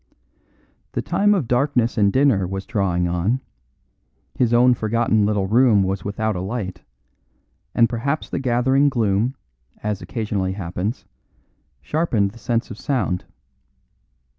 The time of darkness and dinner was drawing on; his own forgotten little room was without a light, and perhaps the gathering gloom, as occasionally happens, sharpened the sense of sound.